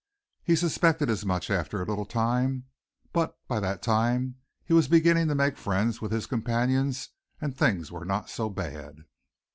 He suspected as much after a little time, but by that time he was beginning to make friends with his companions and things were not so bad.